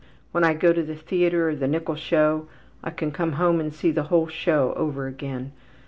When I go to the theatre or the nickel show I can come home and see the whole show over again.